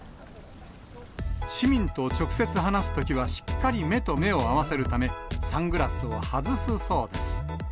市民と直接話すときは、しっかり目と目を合わせるため、サングラスを外すそうです。